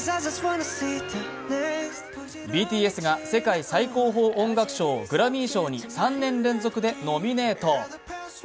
ＢＴＳが世界最高峰音楽賞グラミー賞に３年連続でノミネート